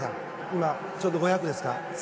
今、ちょうど５００ですが。